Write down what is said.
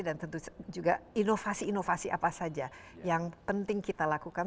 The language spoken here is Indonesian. dan tentu juga inovasi inovasi apa saja yang penting kita lakukan